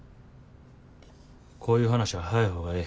こういう話は早い方がええ。